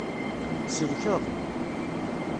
Tselkeḍ.